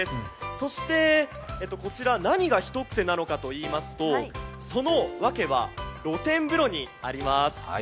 そしてこちら何がひとクセなのかといいますと、そのわけは露天風呂にあります。